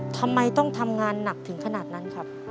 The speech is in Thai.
ทำไมต้องทำงานหนักถึงขนาดนั้นครับ